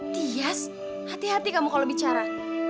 tias hati hati kamu kalau bicara